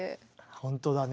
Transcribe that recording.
ほんとだね。